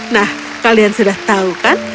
nah kalian sudah tahu kan